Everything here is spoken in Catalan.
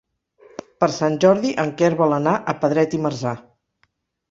Per Sant Jordi en Quer vol anar a Pedret i Marzà.